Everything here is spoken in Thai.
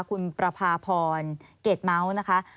คุณประพาพรเกรดเม้านะคะ